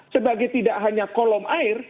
sebagai tidak hanya kolom air